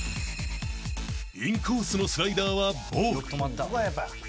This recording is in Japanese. ［インコースのスライダーはボール］